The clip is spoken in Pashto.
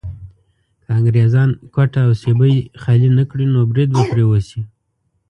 که انګريزان کوټه او سبۍ خالي نه کړي نو بريد به پرې وشي.